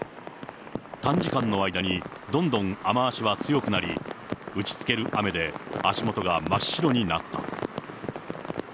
短時間の間にどんどん雨足は強くなり、打ちつける雨で足元が真っ白になった。